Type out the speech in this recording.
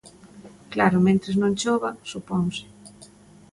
Claro, mentres non chova, suponse.